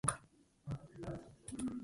Vsi niso lovci, ki trobijo rog.